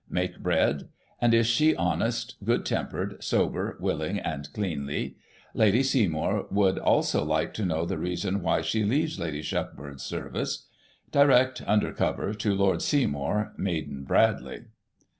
make bread? and is she honest, good tempered, sober, willing and cleanly? Lady Seymour would also like to know the reason why she leaves Lady Shuckburgh's service. Direct, under cover, to Lord Seymour, Maiden Bradley."